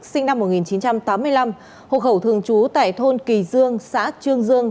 sinh năm một nghìn chín trăm tám mươi năm hộ khẩu thường trú tại thôn kỳ dương xã trương dương